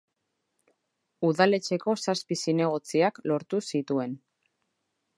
Udaletxeko zazpi zinegotziak lortu zituen.